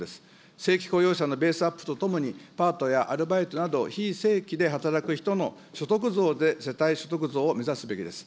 正規雇用者のベースアップとともにパートやアルバイトなど、非正規で働く人の所得増で世帯所得増を目指すべきです。